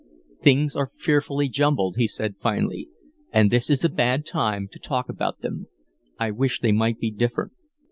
"Things are fearfully jumbled," he said, finally. "And this is a bad time to talk about them. I wish they might be different.